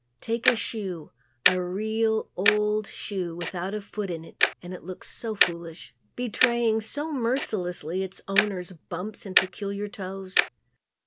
Take a shoe a real, old shoe without a foot in it and it looks so foolish, betraying so mercilessly its owner's bumps and peculiar toes.